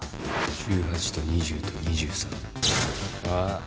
１８と２０と２３ああ。